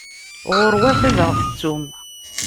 Ɣuṛwet ad aɣ-tettum!